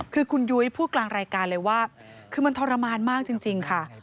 คือคุณยุ้ยพูดกลางรายการเลยว่าคือมันทรมานมากจริงค่ะ